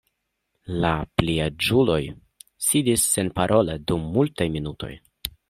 La pliaĝuloj sidis senparole dum multaj minutoj.